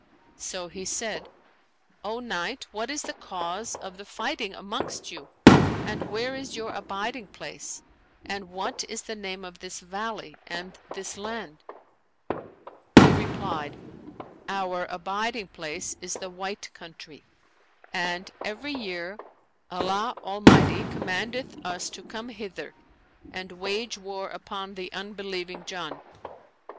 So he said, 'O Knight, what is the cause of the fighting amongst you and where is your abiding place and what is the name of this valley and this land?' He replied, 'Our abiding place is the White Country; and, every year, Allah Almighty commandeth us to come hither and wage war upon the unbelieving Jann.'